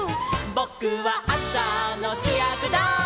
「ぼくはあさのしゅやくだい」